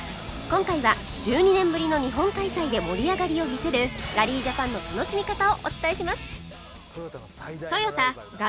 今回は１２年ぶりの日本開催で盛り上がりを見せるラリージャパンの楽しみ方をお伝えします